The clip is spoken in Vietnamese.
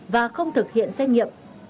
và không thực hiện xét nghiệm